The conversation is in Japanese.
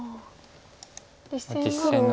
実戦は。